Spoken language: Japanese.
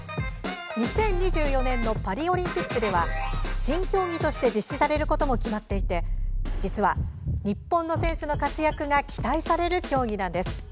２０２４年のパリオリンピックでは新競技として実施されることも決まっていて、実は日本の選手の活躍が期待される競技なんです。